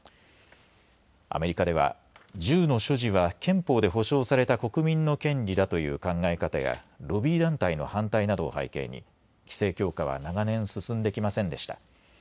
アメリカでは、銃の所持は憲法で保障された国民の権利だという考え方やロビー団体の反対などを背景に規制強化は長年、進んできませんでした。